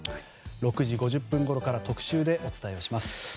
６時５０分ごろから特集でお伝えをします。